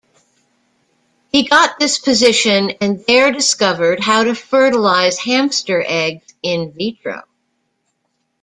He got this position and there discovered how to fertilize hamster eggs in vitro.